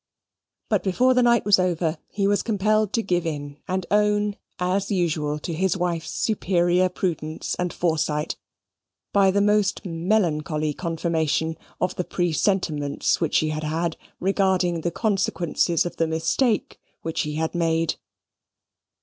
But before the night was over he was compelled to give in, and own, as usual, to his wife's superior prudence and foresight, by the most melancholy confirmation of the presentiments which she had regarding the consequences of the mistake which he had made.